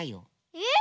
えっ？